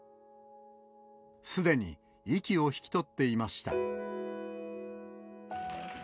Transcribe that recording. すでに息を引き取っていました。